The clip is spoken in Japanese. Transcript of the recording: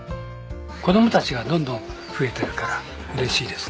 子供たちがどんどん増えてるから嬉しいですね。